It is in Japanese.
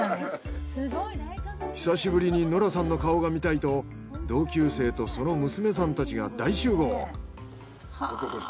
久しぶりにノラさんの顔が見たいと同級生とその娘さんたちが大集合！